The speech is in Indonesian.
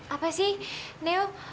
apa sih neo